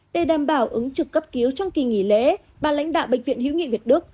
để đảm bảo ứng trực cấp cứu trong kỳ nghỉ lễ bà lãnh đạo bệnh viện hữu nghị việt đức